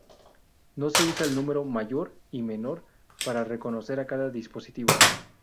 No se usa el número "mayor" y "menor" para reconocer a cada dispositivo.